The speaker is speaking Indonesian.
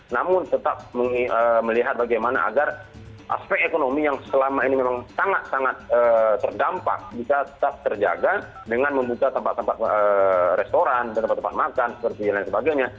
namun tetap melihat bagaimana agar aspek ekonomi yang selama ini memang sangat sangat terdampak bisa tetap terjaga dengan membuka tempat tempat restoran tempat tempat makan seperti dan sebagainya